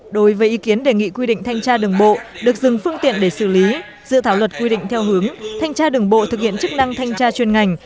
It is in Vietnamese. đối với ý kiến đề nghị quy định thanh tra đường bộ được dừng phương tiện để xử lý dự thảo luật quy định theo hướng thanh tra đường bộ thực hiện chức năng thanh tra chuyên ngành